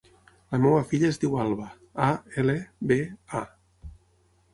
La meva filla es diu Alba: a, ela, be, a.